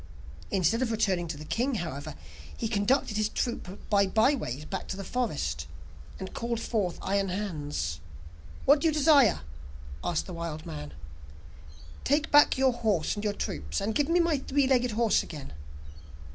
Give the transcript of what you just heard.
Instead of returning to the king, however, he conducted his troop by byways back to the forest, and called forth Iron Hans. 'What do you desire?' asked the wild man. 'Take back your horse and your troops, and give me my three legged horse again.